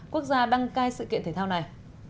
quốc gia đăng cai sự kiện thể thao này